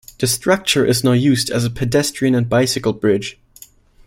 The structure is now used as a pedestrian and bicycle bridge.